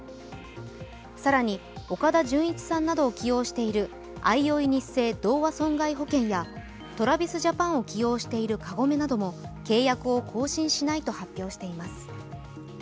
更に岡田准一さんなどを起用しているあいおいニッセイ同和損害保険やＴｒａｖｉｓＪａｐａｎを起用しているカゴメなども契約を更新しないと発表しています。